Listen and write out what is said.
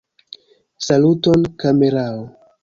Saluton kamerao!